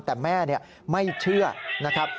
แต่แม่ไม่เชื่อนะครับ